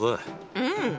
うん。